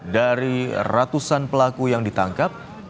dari ratusan pelaku yang ditangkap